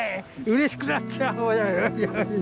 うれしくなっちゃう。